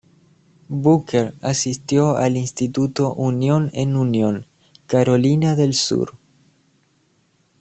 Booker asistió al Instituto Union en Union, Carolina del Sur.